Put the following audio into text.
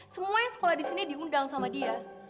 semua yang sekolah di sini diundang sama dia